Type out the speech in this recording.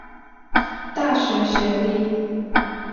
大学学历。